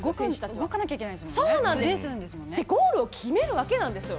それでゴールを決めるわけなんですよ。